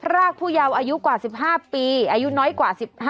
รากผู้เยาว์อายุกว่า๑๕ปีอายุน้อยกว่า๑๕